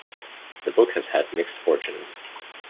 The book has had mixed fortunes.